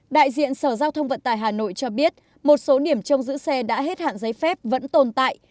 đại diện sở giao thông vận tải hà nội cho biết một số điểm trong giữ xe đã hết hạn giấy phép vẫn tồn tại